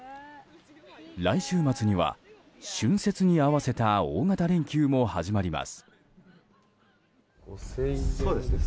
来週末には春節に合わせた大型連休も始まります。